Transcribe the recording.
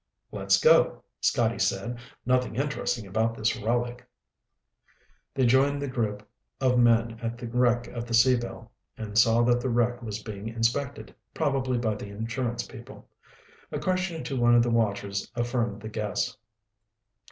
"Let's go," Scotty said. "Nothing interesting about this relic." They joined the group of men at the wreck of the Sea Belle and saw that the wreck was being inspected, probably by the insurance people. A question to one of the watchers affirmed the guess.